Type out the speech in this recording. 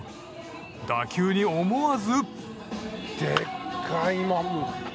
打球に、思わず。